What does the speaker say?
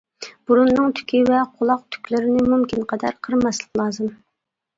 بۇرۇننىڭ تۈكى ۋە قۇلاق تۈكلىرىنى مۇمكىن قەدەر قىرماسلىق لازىم.